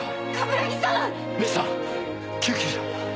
芽依さん救急車を！